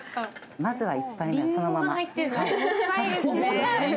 まずは１杯目はそのまま。